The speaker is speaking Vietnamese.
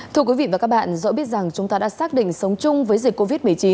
thưa quý vị và các bạn dẫu biết rằng chúng ta đã xác định sống chung với dịch covid một mươi chín